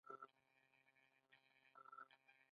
په نولس سوه څلویښت لسیزه کې پېرون واک ته ورسېد.